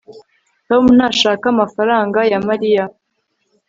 tom ntashaka amafaranga ya mariya